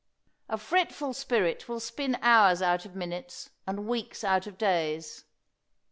A fretful spirit will spin hours out of minutes, and weeks out of days.